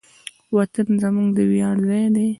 وطن زموږ د ویاړ ځای دی.